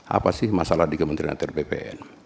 apa sih masalah di kementerian atr ppn